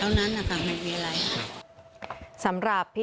แล้วเเหล้านั้นค่ะไม่มีอะไร